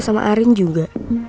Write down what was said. sama arin juga